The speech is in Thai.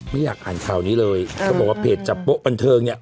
ไม่อยากอ่านข่าวนี้เลยเขาบอกว่าเพจจับโป๊ะบันเทิงเนี่ย